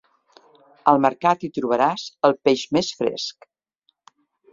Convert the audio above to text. Al mercat hi trobaràs el peix més fresc.